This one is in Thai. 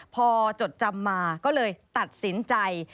พอจดจำมาก็เลยตัดสินใจ